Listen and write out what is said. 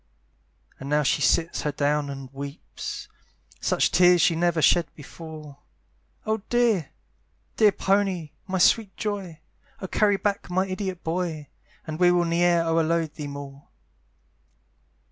And now she sits her down and weeps; Such tears she never shed before; "Oh dear, dear pony! my sweet joy! "Oh carry back my idiot boy! "And we will ne'er o'erload thee more."